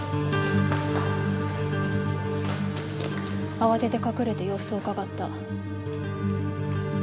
慌てて隠れて様子をうかがった。